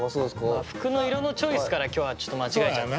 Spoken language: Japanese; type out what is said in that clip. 服の色のチョイスから今日はちょっと間違えちゃって。